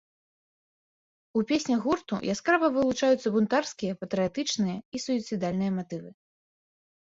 У песнях гурту яскрава вылучаюцца бунтарскія, патрыятычныя і суіцыдальныя матывы.